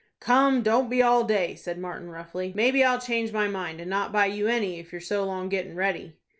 "Come, don't be all day," said Martin, roughly. "Maybe I'll change my mind, and not buy you any if you're so long gettin' ready."